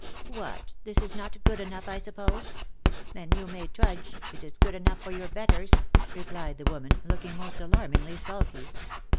" What, this is not good enough, I suppose? Then you may trudge — it is good enough for your betters," replied the woman, looking most alarmingly sulky.